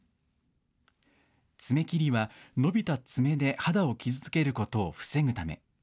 爪切りは伸びた爪で肌を傷つけることを防ぐため。